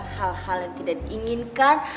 hal hal yang tidak diinginkan